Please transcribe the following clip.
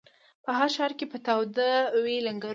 په هر ښار کي به تاوده وي لنګرونه